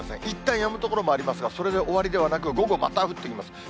いったんやむ所もありますが、それで終わりではなく、午後また降ってきます。